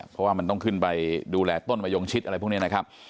เพราะว่ามันต้องขึ้นไปดูแลต้นมะยงชิดอะไรพวกนี้นะครับ